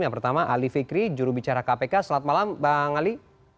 yang pertama ali fikri jurubicara kpk selamat malam bang ali